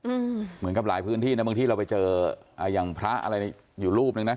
เหมือนกับหลายพื้นที่นะบางทีเราไปเจออ่าอย่างพระอะไรอยู่รูปหนึ่งนะ